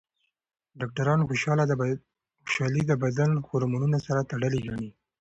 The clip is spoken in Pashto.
ډاکټران خوشحالي د بدن هورمونونو سره تړلې ګڼي.